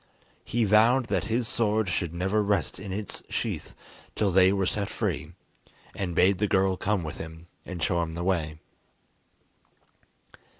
He vowed that his sword should never rest in its sheath till they were set free, and bade the girl come with him, and show him the way.